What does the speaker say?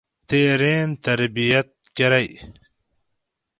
تے رین تربیاۤت کرئی